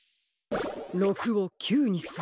６を９にする。